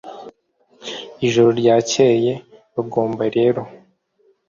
ijoro ryakeye, bagomba rero